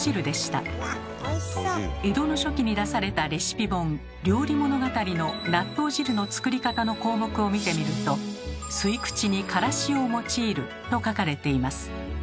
江戸の初期に出されたレシピ本「料理物語」の納豆汁の作り方の項目を見てみると「吸口にからしを用いる」と書かれています。